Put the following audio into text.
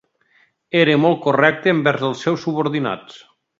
Era molt correcte envers els seus subordinats.